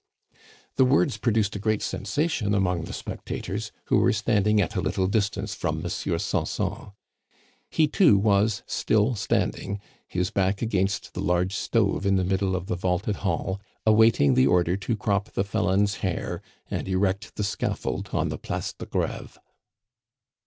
The words produced a great sensation among the spectators, who were standing at a little distance from Monsieur Sanson. He, too, was still standing, his back against the large stove in the middle of the vaulted hall, awaiting the order to crop the felon's hair and erect the scaffold on the Place de Greve.